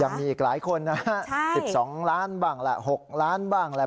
ยังมีอีกหลายคนนะฮะ๑๒ล้านบ้างแหละ๖ล้านบ้างแหละ